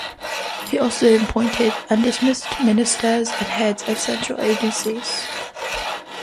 He also appointed and dismissed ministers and heads of central agencies.